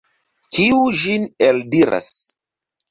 Kiu ĝin eldiras?